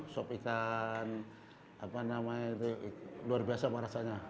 sop ikan luar biasa sama rasanya